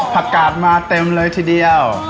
กาดมาเต็มเลยทีเดียว